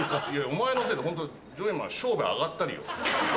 お前のせいでホントジョイマン商売あがったりよ。